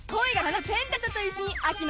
あの。